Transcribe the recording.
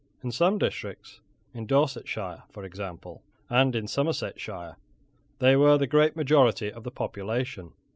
In some districts, in Dorsetshire for example, and in Somersetshire, they were the great majority of the population.